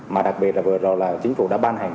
mà đặc biệt là vừa rồi là chính phủ đã ban hành